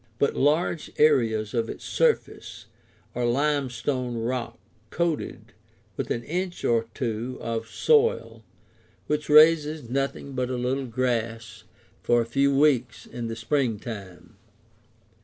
But large areas of its surface are limestone rock, coated with an inch or two of soil, which raises nothing but a little grass for a few weeks in the springtime.